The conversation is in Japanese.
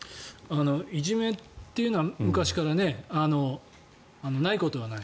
いじめっていうのは昔からないことはない。